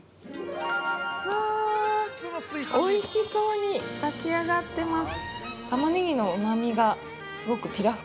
うわ、おいしそうに炊き上がってます。